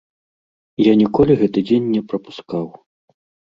Я ніколі гэты дзень не прапускаў.